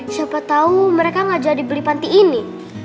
siapa tahu mereka gak jadi beli panti ini